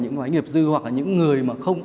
những doanh nghiệp dư hoặc là những người mà không